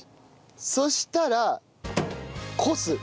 そしたらこす。